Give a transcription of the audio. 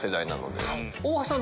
大橋さん